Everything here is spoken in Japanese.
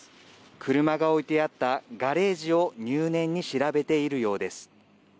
車が置いてあったガレージを入念に調べているようです。